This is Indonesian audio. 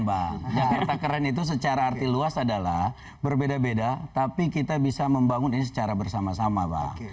jadi jakarta keren itu secara arti luas adalah berbeda beda tapi kita bisa membangun ini secara bersama sama bang